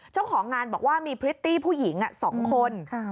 เจ้าของงานบอกว่ามีพริตตี้ผู้หญิง๒คน